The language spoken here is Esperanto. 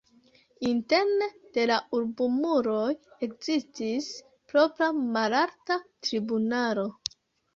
Interne de la urbomuroj ekzistis propra malalta tribunalo.